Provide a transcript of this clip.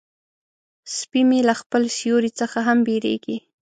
سپي مې له خپل سیوري څخه هم بیریږي.